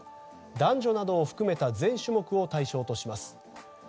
男女などを含めた全種目を対象とします。